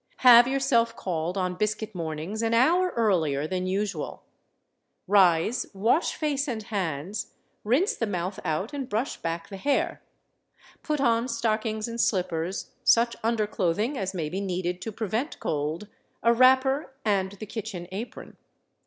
Have yourself called on biscuit mornings an hour earlier than usual. Rise, wash face and hands, rinse the mouth out and brush back the hair. Put on stockings and slippers, such underclothing as may be needed to prevent cold, a wrapper and the kitchen apron.